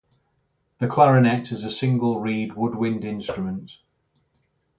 The clarinet is a single reed woodwind instrument.